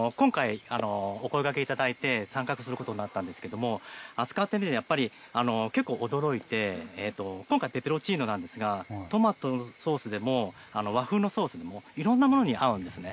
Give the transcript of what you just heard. そうですね、今回、お声がけいただいて、参画することになったんですけども、扱ってみてやっぱり、結構驚いて、今回、ペペロンチーノなんですが、トマトソースでも、和風のソースでも、いろんなものに合うんですね。